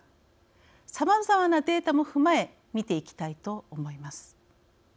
さまざまなデータも踏まえ見ていきたいと思います。